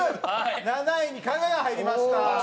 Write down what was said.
７位に加賀が入りました。